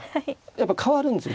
やっぱ変わるんですよ